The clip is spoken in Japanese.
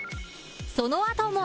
そのあとも